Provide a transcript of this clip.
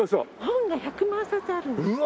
本が１００万冊あるんですよ。